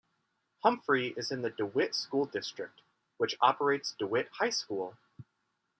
Humphrey is in the DeWitt School District, which operates DeWitt High School.